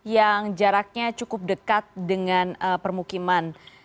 yang jaraknya cukup dekat dengan permukiman